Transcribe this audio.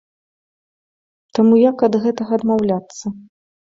Таму як ад гэтага адмаўляцца?